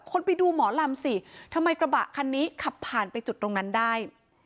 ไปดูหมอลำสิทำไมกระบะคันนี้ขับผ่านไปจุดตรงนั้นได้